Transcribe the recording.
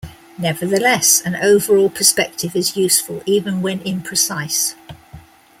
Nevertheless, an overall perspective is useful even when imprecise.